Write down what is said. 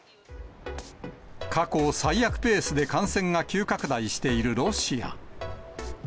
過去最悪ペースで感染が急拡大しているロシア。